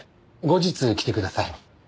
後日来てください。